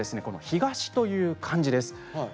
この「東」という漢字です。